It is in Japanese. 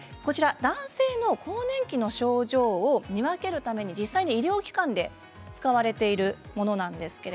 男性の更年期の症状を見分けるために実際に医療機関で使われているものなんです。